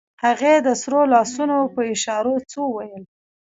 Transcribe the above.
هغې د سرو لاسونو په اشارو څه وويل.